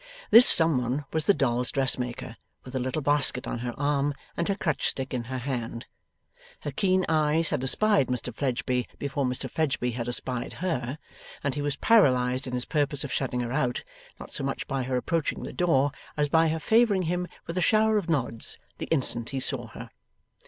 This some one was the dolls' dressmaker, with a little basket on her arm, and her crutch stick in her hand. Her keen eyes had espied Mr Fledgeby before Mr Fledgeby had espied her, and he was paralysed in his purpose of shutting her out, not so much by her approaching the door, as by her favouring him with a shower of nods, the instant he saw her.